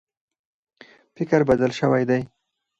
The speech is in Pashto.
فکر بدل شوی دی.